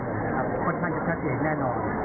ระหว่างผู้ตายกับผู้ที่ห่วงเมือง